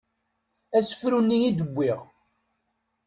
Asefru-nni i d-wwiɣ.